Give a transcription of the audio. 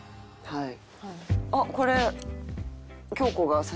はい。